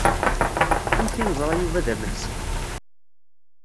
Amek i neẓra Yuba d amelsi?